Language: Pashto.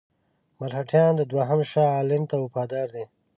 مرهټیان دوهم شاه عالم ته وفادار دي.